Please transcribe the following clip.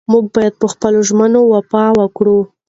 موږ باید په خپلو ژمنو وفا وکړو.